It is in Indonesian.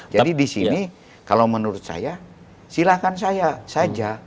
jadi di sini kalau menurut saya silahkan saya saja